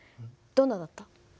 どんなだった？